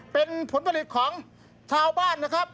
เป็นผลผลิตของชาวบ้านนะครับ